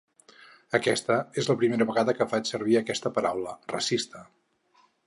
Aquesta és la primera vegada que faig servir aquesta paraula: ‘racista’.